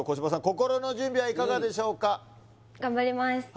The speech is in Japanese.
心の準備はいかがでしょうか頑張ります